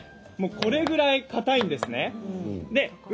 これぐらいかたいんですよね。